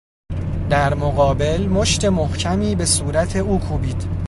در مقابل، مشت محکمی به صورت او کوبید